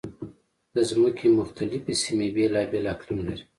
د ځمکې مختلفې سیمې بېلابېل اقلیم لري.